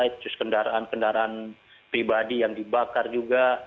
terus kendaraan kendaraan pribadi yang dibakar juga